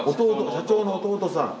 社長の弟さん。